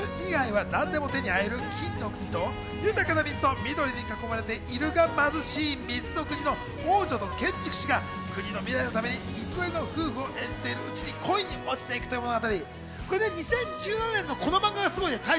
映画は水以外は何でも手に入る金の国と、豊かな水と緑に囲まれているが貧しい水の国の王女と建築士が国の未来のために偽りの夫婦を演じているうちに恋に落ちていく物語。